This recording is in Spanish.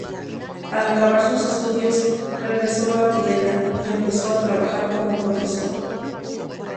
Al acabar sus estudios, regresó a Tudela y empezó a trabajar como profesor.